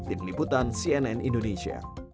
ini putan cnn indonesia